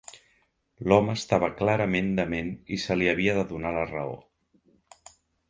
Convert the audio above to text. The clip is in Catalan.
L'home estava clarament dement i se li havia de donar la raó.